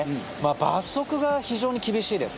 罰則が非常に厳しいです。